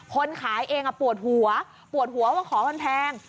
คนขายเองปวดหัวปวดหัวว่าของมันแพง